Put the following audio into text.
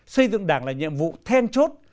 xây dựng đảng là nhiệm vụ then chốt